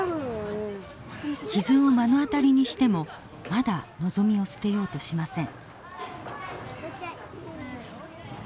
傷を目の当たりにしてもまだ望みを捨てようとしません。